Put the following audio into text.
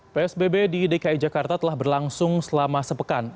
psbb di dki jakarta telah berlangsung selama sepekan